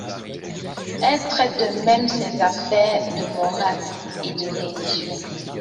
Elle traite de même ses affaires de morale et de religion.